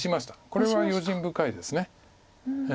これは用心深いです。